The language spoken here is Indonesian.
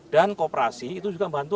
dan kooperasi itu juga membantu